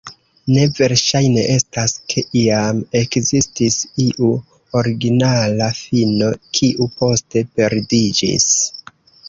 Ne verŝajne estas, ke iam ekzistis iu originala fino, kiu poste perdiĝis.